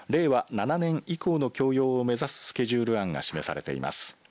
７年以降の共用を目指すスケジュール案が示されています。